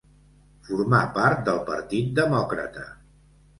Formà part del Partit Demòcrata.